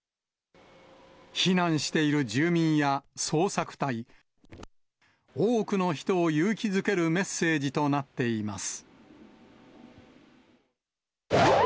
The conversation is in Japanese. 避難している住民や捜索隊、多くの人を勇気づけるメッセージとなっています。